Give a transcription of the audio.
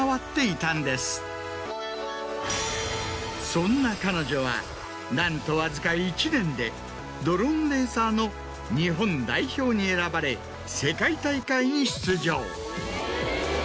そんな彼女はなんとわずか１年でドローンレーサーの日本代表に選ばれ世界大会に出場。